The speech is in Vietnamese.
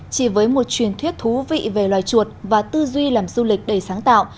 chỉ với một truyền thuyết thú vị về loài chuột và tư duy làm du lịch đầy sáng tạo